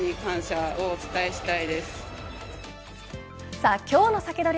さあ今日のサキドリ！